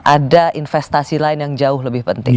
ada investasi lain yang jauh lebih penting